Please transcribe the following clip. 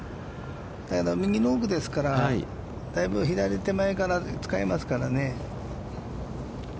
だけど、右の奥ですから、大分左手前から使えますからね。